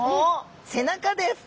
背中です！